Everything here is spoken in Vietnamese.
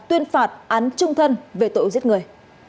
tuyên phạt án trung thân về tội giết người